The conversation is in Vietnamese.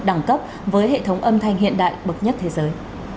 đẳng cấp với hệ thống âm thanh hiện đại bậc nhất thế giới